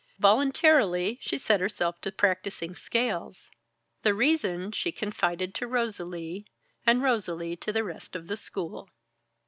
Voluntarily, she set herself to practising scales. The reason she confided to Rosalie, and Rosalie to the rest of the school.